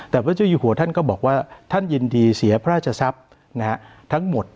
แต่พระเจ้าอยู่หัวท่านก็บอกว่าท่านยินดีเสียพระราชทรัพย์ทั้งหมด